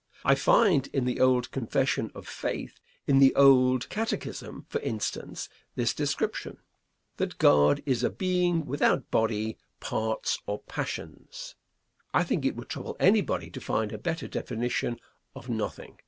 I find in the old Confession of Faith, in the old Catechism, for instance, this description: That God is a being without body, parts or passions. I think it would trouble anybody to find a better definition of nothing.